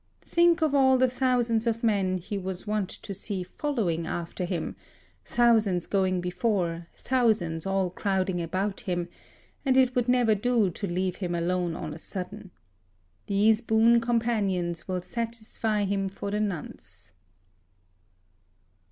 Think of all the thousands of men he was wont to see following after him, thousands going before, thousands all crowding about him, and it would never do to leave him alone on a sudden. These boon companions will satisfy him for the nonce."